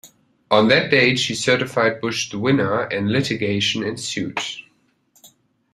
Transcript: On that date, she certified Bush the winner and litigation ensued.